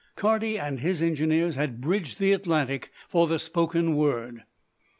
Carty and his engineers had bridged the Atlantic for the spoken word.